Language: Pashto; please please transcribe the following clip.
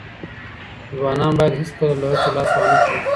ځوانان باید هیڅکله له هڅو لاس وانخلي.